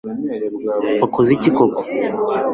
wakoze iki koko